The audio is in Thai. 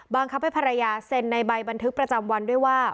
ครับให้ภรรยาเซ็นในใบบันทึกประจำวันด้วยว่า